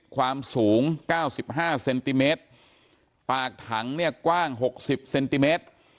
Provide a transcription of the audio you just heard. ความสูงเก้าสิบห้าเซนติเมตรปากถังเนี่ยกว้างหกสิบเซนติเมตร